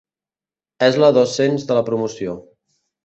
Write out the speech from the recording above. És la dos-cents de la promoció.